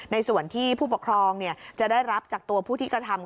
ในส่วนที่ผู้ปกครองจะได้รับจากตัวผู้ที่กระทำ